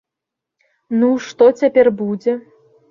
Ну, што цяпер будзе?